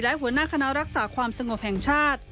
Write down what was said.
และหัวหน้าคณะรักษาความสงบแห่งชาติ